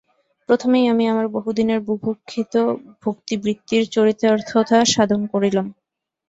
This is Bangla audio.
প্রথমেই আমি আমার বহুদিনের বুভুক্ষিত ভক্তিবৃত্তির চরিতার্থতা সাধন করিলাম।